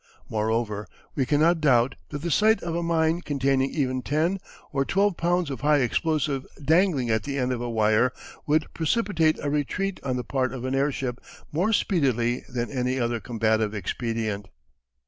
Moreover, we cannot doubt that the sight of a mine containing even ten or twelve pounds of high explosive dangling at the end of a wire would precipitate a retreat on the part of an airship more speedily than any other combative expedient.